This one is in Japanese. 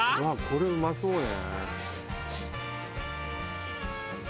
「これうまそうね」